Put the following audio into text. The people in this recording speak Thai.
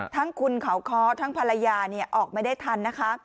ทั้งคุณเขาค้อทั้งภรรยาออกไม่ได้ทันนะคะ